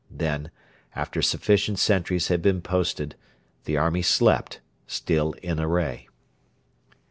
Then, after sufficient sentries had been posted, the army slept, still in array.